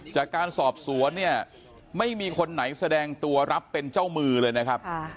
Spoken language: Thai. จากการสอบสวนเนี่ยไม่มีคนไหนแสดงตัวรับเป็นเจ้ามือเลยนะครับ